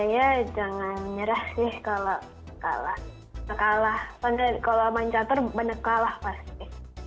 ya jangan menyerah sih kalau kalah kalau mencatur menang kalah pasti